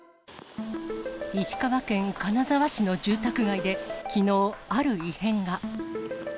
石川県金沢市の住宅街できのう、ある異変が。